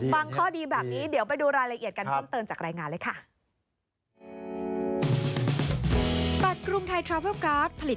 ฟังข้อดีแบบนี้เดี๋ยวไปดูรายละเอียดกัน